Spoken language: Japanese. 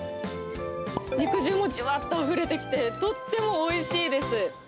肉汁もジュワッとあふれてきてとってもおいしいです。